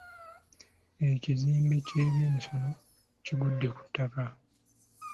Ekizimbe ky’ebyemisono kigudde ku ttaka.